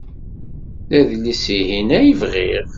D adlis-ihin ay bɣiɣ.